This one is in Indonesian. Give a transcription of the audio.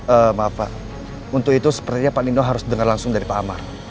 eh maaf pak untuk itu sepertinya pak nino harus dengar langsung dari pak amar